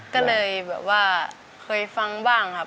ก็เลยแบบว่าเคยฟังบ้างครับ